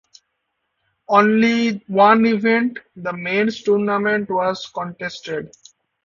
Only one event, the "men's tournament", was contested.